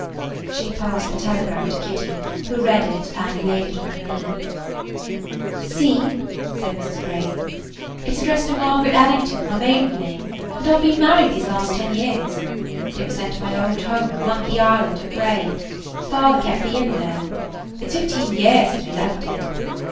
She passed the telegram to Kitty, who read it, and laid it on her knee. "See," said Mrs. Grey, "it 's addressed to Margaret Allington, my maiden name, and I 've been married these ten years. And it was sent to my old home, Monkey [Page 29] Island, at Bray. Father kept the inn there. It 's fifteen years since we left it.